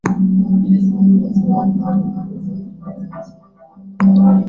wanaishi Mfalme akamruhusu akamwomba atafute kule walimu